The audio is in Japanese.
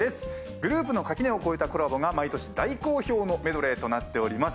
グループの垣根を越えたコラボが毎年大好評のメドレーとなってます。